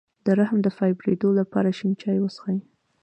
د رحم د فایبرویډ لپاره د شین چای وڅښئ